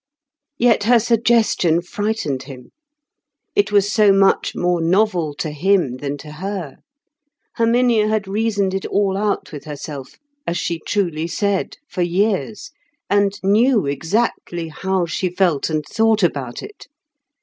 Yet her suggestion frightened him. It was so much more novel to him than to her. Herminia had reasoned it all out with herself, as she truly said, for years, and knew exactly how she felt and thought about it.